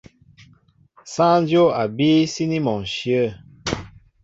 Sááŋ dyóp a bííy síní mɔ ǹshyə̂.